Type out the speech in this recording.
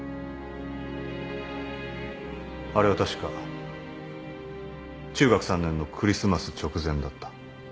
あれは確か中学３年のクリスマス直前だった。